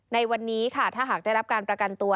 ในวันนี้ค่ะถ้าหากได้รับการประกันตัว